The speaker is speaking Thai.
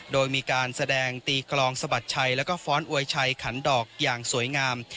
โดยมีการแสดงตีกลองสะบัดชัยแล้วก็ฟ้อนอวยชัยขันดอกอย่างสวยงาม